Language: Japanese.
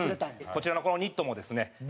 こちらのこのニットもですね